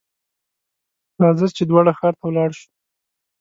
راځه ! چې دواړه ښار ته ولاړ شو.